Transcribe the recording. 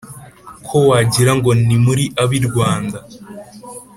ko wagira ngo ntimuri abirwanda